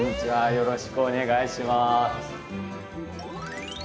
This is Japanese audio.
よろしくお願いします。